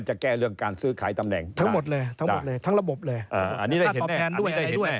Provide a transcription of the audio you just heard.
ใช่เขาเอาโรศงส์อย่างเดียว